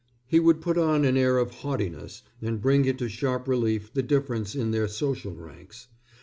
He would put on an air of haughtiness and bring into sharp relief the difference in their social ranks.